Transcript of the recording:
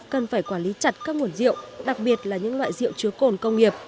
cần phải quản lý chặt các nguồn rượu đặc biệt là những loại rượu chứa cồn công nghiệp